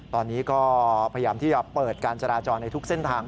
ตอนนี้ก็พยายามที่จะเปิดการจราจรในทุกเส้นทาง